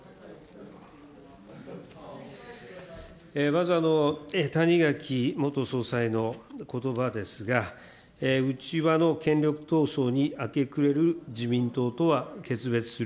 まず、谷垣元総裁のことばですが、内輪の権力闘争に明け暮れる自民党とは決別する。